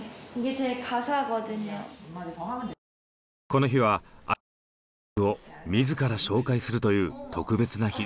この日はＩＶＥの新曲を自ら紹介するという特別な日。